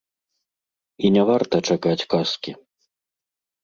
І не варта чакаць казкі.